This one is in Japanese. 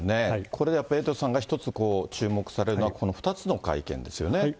これ、やっぱりエイトさんが１つ注目されるのは、この２つの会見ですよね。